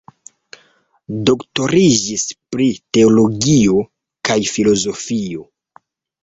Doktoriĝis pri teologio kaj filozofio.